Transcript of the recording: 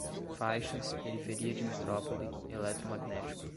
faixas, periferia de metrópole, eletromagnético